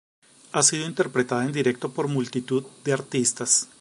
Ha sido interpretada en directo por multitud de artistas.